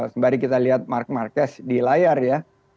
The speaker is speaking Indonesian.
sembari kita lihat mark marquez di layar ya